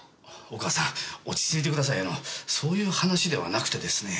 お母さん落ち着いてくださいそういう話ではなくてですね。